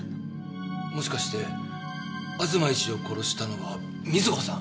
もしかして東医師を殺したのは美津保さん？